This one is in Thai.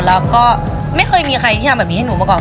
แล้วก็ไม่เคยมีใครที่ทำแบบนี้ให้หนูมาก่อน